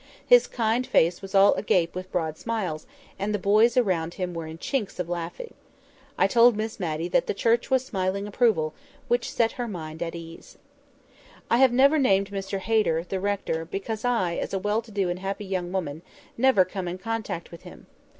His kind face was all agape with broad smiles, and the boys around him were in chinks of laughing. I told Miss Matty that the Church was smiling approval, which set her mind at ease. [Picture: Afraid of matrimonial reports] I have never named Mr Hayter, the rector, because I, as a well to do and happy young woman, never came in contact with him.